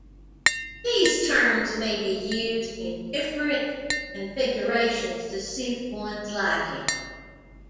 These terms may be used in different configurations to suit one's liking.